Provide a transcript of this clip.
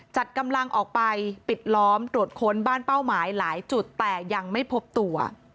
จัดกำลังออกไปปิดล้อมตรวจค้นบ้านเป้าหมายหลายจุดแต่ยังไม่พบตัว